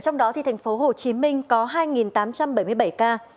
trong đó thì thành phố hồ chí minh có hai tám trăm bảy mươi bảy ca